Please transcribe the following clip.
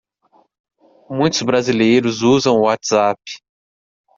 Muitos brasileiros usam o WhatsApp.